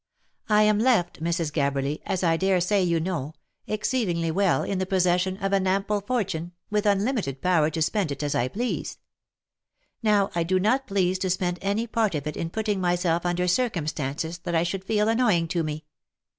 I am left, Mrs. Gabberly, as I daresay you know — exceedingly well, in the possession of an ample fortune, with unlimited power to spend it as I please. Now I do not please to spend any part of it in putting myself under circum stances that I should feel annoying to me.